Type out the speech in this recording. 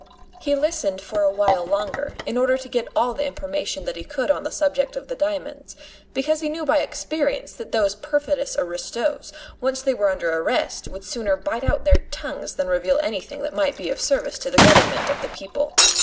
He listened for a while longer, in order to get all the information that he could on the subject of the diamonds, because he knew by experience that those perfidious aristos, once they were under arrest, would sooner bite out their tongues than reveal anything that might be of service to the Government of the people.